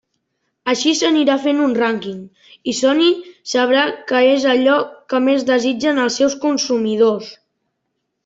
Així s'anirà fent un rànquing i Sony sabrà què és allò que més desitgen els seus consumidors.